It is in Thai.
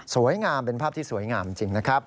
งามเป็นภาพที่สวยงามจริงนะครับ